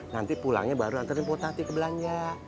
nanti pulangnya baru anterin buatati ke belanja